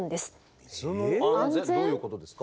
水の安全どういうことですか？